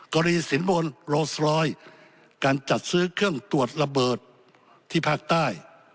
กรณีสินบนโรสรอยการจัดซื้อเครื่องตรวจระเบิดที่ภาคใต้